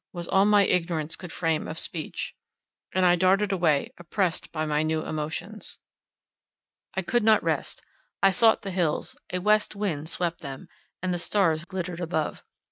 was all my ignorance could frame of speech, and I darted away, oppressed by my new emotions. I could not rest. I sought the hills; a west wind swept them, and the stars glittered above.